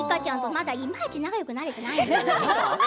まだ、いまいち仲よくなれていないんだよ。